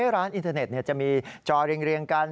ร้านอินเทอร์เน็ตจะมีจอเรียงกัน